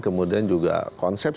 kemudian juga konsep